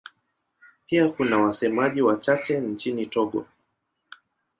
Pia kuna wasemaji wachache nchini Togo.